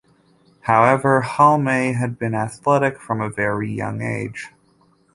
However, Halme had been athletic from a very young age.